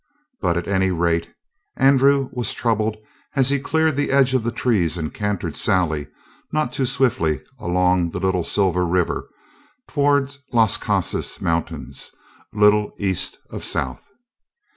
But, at any rate, Andrew was troubled as he cleared the edge of the trees and cantered Sally not too swiftly along the Little Silver River toward Las Casas mountains, a little east of south.